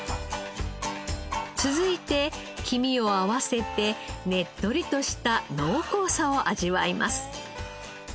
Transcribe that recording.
続いて黄身を合わせてねっとりとした濃厚さを味わいます。